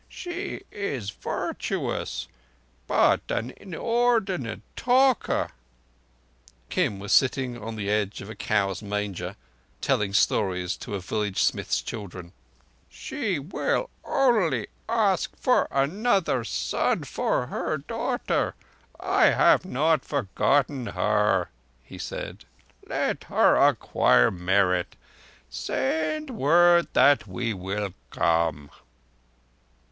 "She is virtuous, but an inordinate talker." Kim was sitting on the edge of a cow's manger, telling stories to a village smith's children. "She will only ask for another son for her daughter. I have not forgotten her," he said. "Let her acquire merit. Send word that we will come."